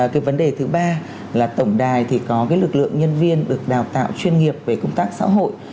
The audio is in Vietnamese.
cái vấn đề thứ ba là tổng đài thì có cái lực lượng nhân viên được đào tạo chuyên nghiệp về công tác xã hội